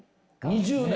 ２０年！